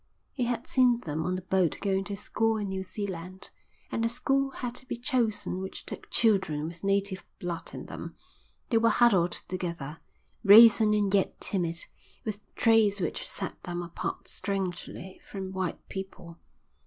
He had seen them on the boat going to school in New Zealand, and a school had to be chosen which took children with native blood in them; they were huddled together, brazen and yet timid, with traits which set them apart strangely from white people.